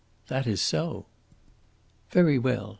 "That is so." "Very well.